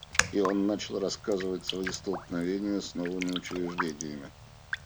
И он начал рассказывать свои столкновения с новыми учреждениями.